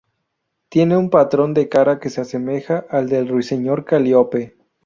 Tiene un patrón de cara que se asemeja al del ruiseñor calíope.